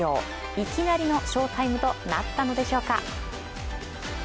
いきなりの翔タイムとなったのでしょうか。